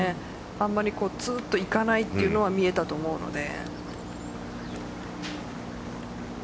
あんまりつうっといかないというのは見えたと思うので。